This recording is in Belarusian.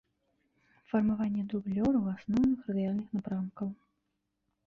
Фармаванне дублёраў асноўных радыяльных напрамкаў.